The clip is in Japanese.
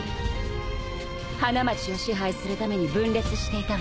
花街を支配するために分裂していた私の体